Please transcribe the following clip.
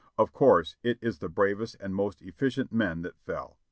Of course it is the bravest and most efficient men that fell.